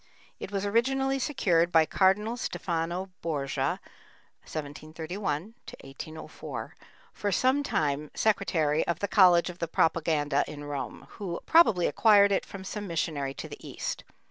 It was originally secured by Cardinal Stefano Borgia (1731 1804), for some time secretary of the College of the Propaganda in Rome, who probably acquired it from some missionary to the East.